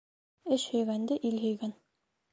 Эш һөйгәнде ил һөйгән.